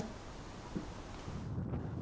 thủy điện a vương